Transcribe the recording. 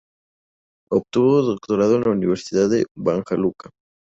Obtuvo el doctorado en la Universidad de Banja Luka.